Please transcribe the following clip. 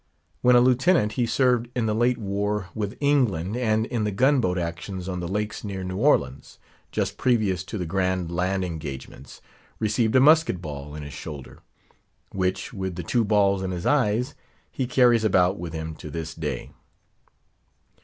When a lieutenant, he served in the late war with England; and in the gun boat actions on the Lakes near New Orleans, just previous to the grand land engagements, received a musket ball in his shoulder; which, with the two balls in his eyes, he carries about with him to this day.